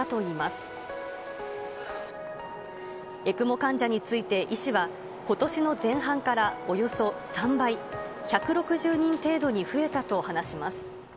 患者について、医師は、ことしの前半からおよそ３倍、１６０人程度に増えたと話します。